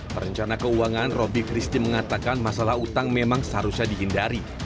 perencana keuangan roby kristi mengatakan masalah utang memang seharusnya dihindari